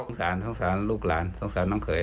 สงสารสงสารลูกหลานสงสารน้องเขย